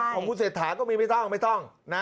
ของคนเสร็จถามก็มีไม่ต้อง